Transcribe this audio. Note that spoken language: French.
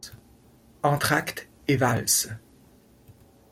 Entracte et valse.